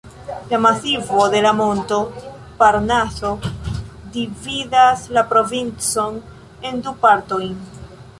La masivo de la monto Parnaso dividas la provincon en du partojn.